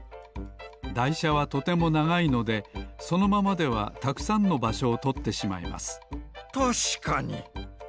だいしゃはとてもながいのでそのままではたくさんのばしょをとってしまいますたしかに。